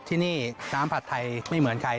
ที่นี่น้ำผัดไทยไม่เหมือนใคร